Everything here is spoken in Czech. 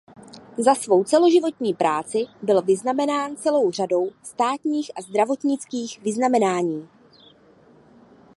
Za svou celoživotní práci byl vyznamenán celou řadou státních a zdravotnických vyznamenání.